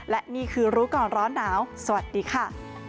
และนี่คือรู้ก่อนร้อนหนาวสวัสดีค่ะ